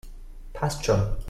Passt schon!